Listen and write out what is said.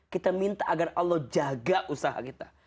kita minta agar allah jaga usaha kita